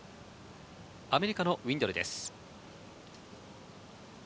アメリカのウィンドルです。